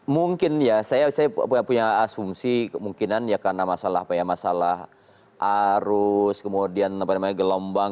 mungkin ya saya punya asumsi kemungkinan ya karena masalah apa ya masalah arus kemudian gelombang